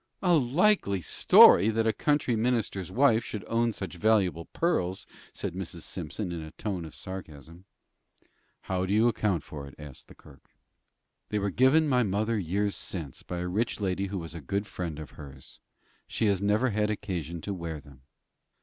"A likely story that a country minister's wife should own such valuable pearls," said Mrs. Simpson, in a tone of sarcasm. "How do you account for it?" asked the clerk. "They were given my mother years since, by a rich lady who was a good friend of hers. She has never had occasion to wear them."